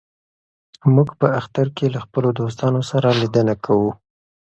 موږ په اختر کې له خپلو دوستانو سره لیدنه کوو.